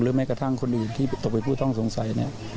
หรือแม่กระทั่งคนอื่นที่ตกไปพูดต้องสงสัยเนี่ย